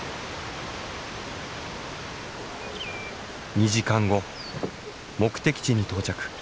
２時間後目的地に到着。